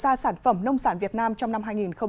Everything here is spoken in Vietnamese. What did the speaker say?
đầu ra sản phẩm nông sản việt nam trong năm hai nghìn hai mươi